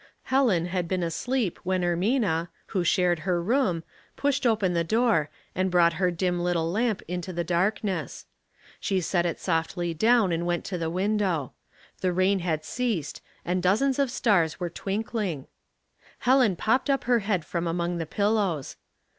Helen had been asleep when Ermina, who shared her room, pushed open the door, and brought her dim little lamp into the darkness. She set it softly down and went to the window ; the rain had ceased, and dozens of stars were twinkling. Helen popped up her head from among the pillows.